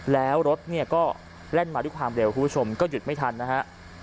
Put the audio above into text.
แล้วรถเนี่ยก็แล่นมาด้วยความเร็วคุณผู้ชมก็หยุดไม่ทันนะฮะ